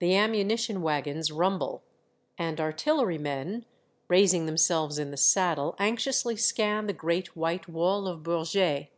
The ammunition wagons rumble, and artillery men, raising them selves in the saddle, anxiously scan the great white wall of Bourget.